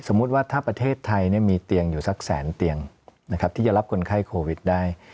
ว่าถ้าประเทศไทยมีเตียงอยู่สักแสนเตียงนะครับที่จะรับคนไข้โควิดได้